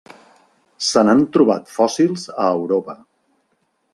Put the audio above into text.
Se n'han trobat fòssils a Europa.